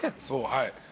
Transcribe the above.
そうはい。